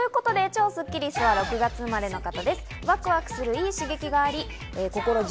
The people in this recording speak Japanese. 超スッキりすは６月生まれの方です。